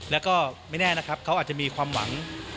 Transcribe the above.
แล้วก็ไม่แน่นะครับเขาอาจจะมีความหวัง